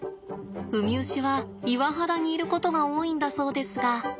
ウミウシは岩肌にいることが多いんだそうですが。